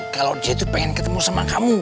kalau dia itu pengen ketemu sama kamu